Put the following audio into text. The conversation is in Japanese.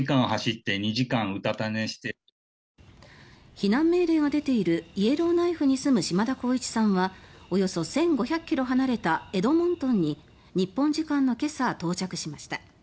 避難命令が出ているイエローナイフに住む嶋田幸一さんはおよそ１５００ｋｍ離れたエドモントンに日本時間の今朝、到着しました。